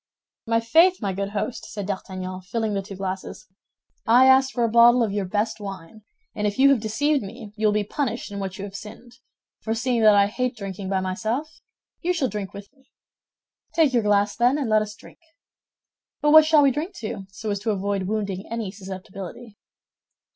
"My faith, my good host," said D'Artagnan, filling the two glasses, "I asked for a bottle of your best wine, and if you have deceived me, you will be punished in what you have sinned; for seeing that I hate drinking by myself, you shall drink with me. Take your glass, then, and let us drink. But what shall we drink to, so as to avoid wounding any susceptibility?